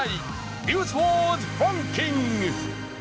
「ニュースワードランキング」。